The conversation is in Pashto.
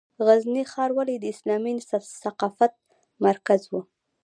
غزني ښار ولې د اسلامي ثقافت مرکز و؟